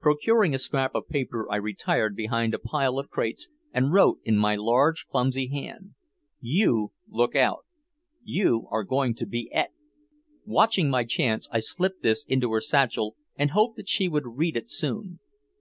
Procuring a scrap of paper I retired behind a pile of crates and wrote in my large, clumsy hand, "You look out you are going to be et." Watching my chance, I slipped this into her satchel and hoped that she would read it soon.